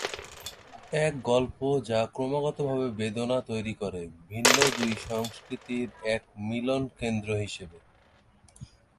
এক গল্প যা ক্রমাগত ভাবে বেদনা তৈরী করে, ভিন্ন দুই সংস্কৃতির এক মিলন কেন্দ্র হিসেবে।